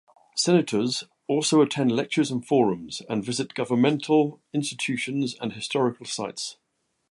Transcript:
Senators also attend lectures and forums, and visit governmental institutions and historical sites.